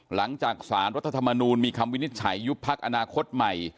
หลังจากสารรัฐธรรมนูลมีคำวินิจฉัยยุบพักอนาคตใหม่